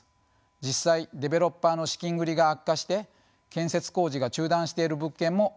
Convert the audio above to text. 実際デベロッパーの資金繰りが悪化して建設工事が中断している物件も多いです。